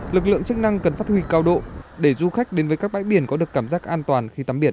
lực lượng chức năng cần phát huy cao độ để du khách đến với các bãi biển có được cảm giác an toàn khi tắm biển